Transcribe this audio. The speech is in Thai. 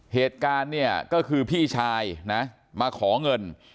เหตุการณ์เนี่ยก็คือพี่ชายนะมาขอเงิน